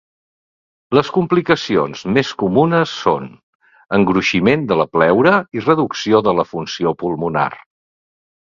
Les complicacions més comunes són: engruiximent de la pleura i reducció de la funció pulmonar.